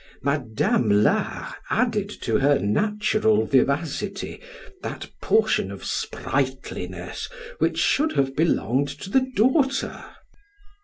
Madam de Larnage added to her natural vivacity that portion of sprightliness which should have belonged to the daughter.